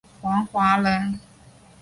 王华人。